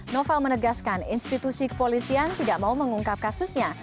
novel menegaskan institusi kepolisian tidak mau mengungkap kasusnya